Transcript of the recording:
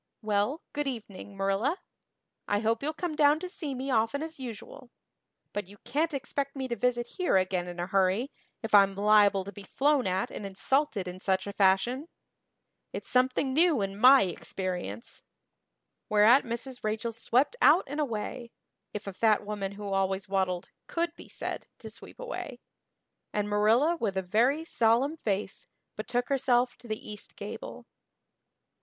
Well, good evening, Marilla. I hope you'll come down to see me often as usual. But you can't expect me to visit here again in a hurry, if I'm liable to be flown at and insulted in such a fashion. It's something new in my experience." Whereat Mrs. Rachel swept out and away if a fat woman who always waddled could be said to sweep away and Marilla with a very solemn face betook herself to the east gable.